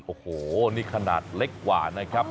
โอ้โหนี่ขนาดเล็กกว่านะครับ